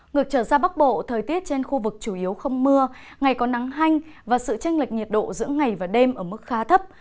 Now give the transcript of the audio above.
ngược trở ra bắc bộ thời tiết trên khu vực chủ yếu không mưa ngày có nắng hanh và sự tranh lệch nhiệt độ giữa ngày và đêm ở mức khá thấp